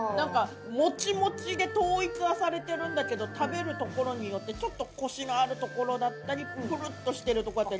もちもちで統一はされてるんだけど食べるところによってちょっとコシのあるところだったりプルっとしてるとこだったり。